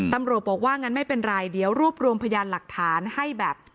ตำรวจบอกว่างั้นไม่เป็นไรเดี๋ยวรวบรวมพยานหลักฐานให้แบบ